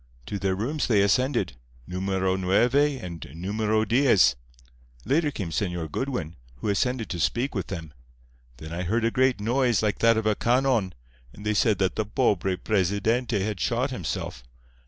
To their rooms they ascended—Numero Nueve and Numero Diez. Later came Señor Goodwin, who ascended to speak with them. Then I heard a great noise like that of a canon, and they said that the pobre Presidente had shot himself.